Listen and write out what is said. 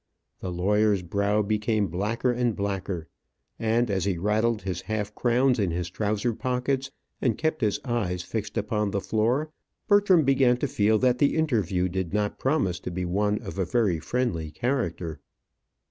The lawyer's brow became blacker and blacker, and as he rattled his half crowns in his trousers pockets, and kept his eyes fixed upon the floor, Bertram began to feel that the interview did not promise to be one of a very friendly character.